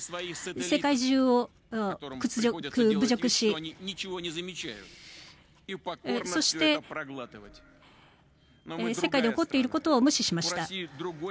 世界中を侮辱しそして世界で起こっていることを無視しました。